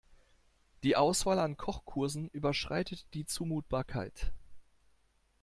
Die Auswahl an Kochkursen überschreitet die Zumutbarkeit.